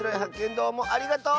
どうもありがとう！